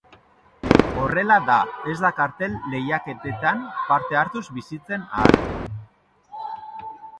Horrela da, ez da kartel lehiaketetan parte hartuz bizitzen ahal.